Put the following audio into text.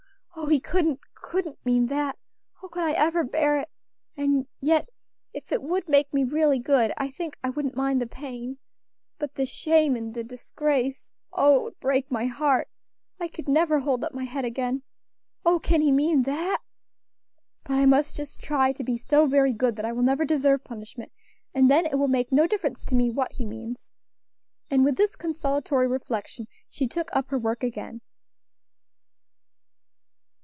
"Oh! he couldn't, couldn't mean that! how could I ever bear it! and yet if it would make me really good, I think I wouldn't mind the pain but the shame and disgrace! oh! it would break my heart. I could never hold up my head again! Oh! can he mean that? But I must just try to be so very good that I will never deserve punishment, and then it will make no difference to me what he means." And with this consolatory reflection she took up her work again.